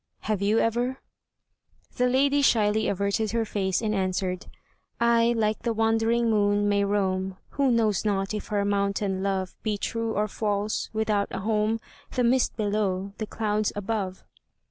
Have you ever?" The lady shyly averted her face and answered: "I, like the wandering moon, may roam, Who knows not if her mountain love Be true or false, without a home, The mist below, the clouds above."